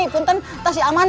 kita tidak aman